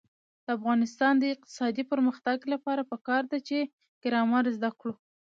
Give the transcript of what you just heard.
د افغانستان د اقتصادي پرمختګ لپاره پکار ده چې ګرامر زده کړو.